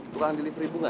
tukang delivery bunga